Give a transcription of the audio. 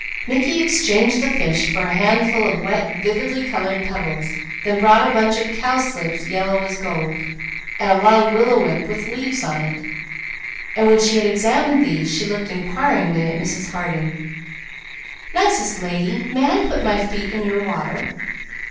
Mickey exchanged the fish for a handful of wet, vividly coloured pebbles, then brought a bunch of cowslips yellow as gold, and a long willow whip with leaves on, and when she had examined these, she looked inquiringly at Mrs. Harding. "Nicest lady, may I put my feet in your water?"